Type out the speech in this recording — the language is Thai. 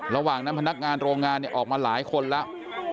ระหว่างนั้นพนักงานโรงงานออกมาหลายคนแล้ว